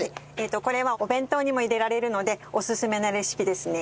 これはお弁当にも入れられるのでオススメなレシピですね。